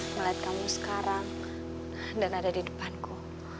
melihat kamu sekarang dan ada di depanku